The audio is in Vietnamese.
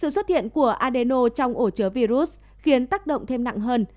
sự xuất hiện của adeno trong ổ chứa virus khiến tác động thêm nặng hơn